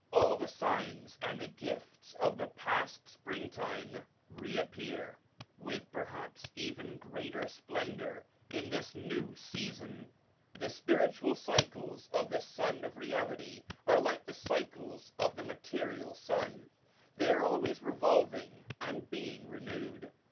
All the signs and the gifts of the past springtime re appear, with perhaps even greater splendour in this new season. The spiritual cycles of the Sun of Reality are like the cycles of the material sun; they are always re volving and being renewed.